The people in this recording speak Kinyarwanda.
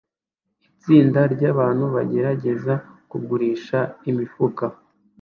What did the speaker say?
Itsinda ryabantu bagerageza kugurisha imifuka